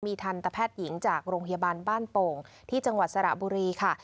ทันตแพทย์หญิงจากโรงพยาบาลบ้านโป่งที่จังหวัดสระบุรีค่ะ